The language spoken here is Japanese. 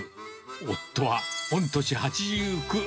夫は御年８９。